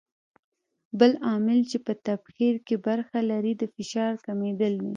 بل عامل چې په تبخیر کې برخه لري د فشار کمېدل دي.